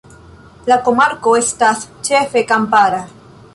La komarko estas ĉefe kampara.